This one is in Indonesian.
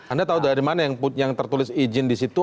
anda tahu dari mana yang tertulis izin di situ